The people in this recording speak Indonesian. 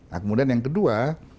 nah kemudian yang kedua